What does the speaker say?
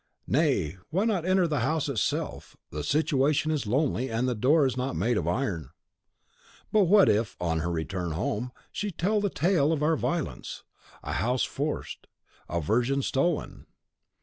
"Nay, why not enter the house itself? the situation is lonely, and the door is not made of iron." "But what if, on her return home, she tell the tale of our violence? A house forced, a virgin stolen!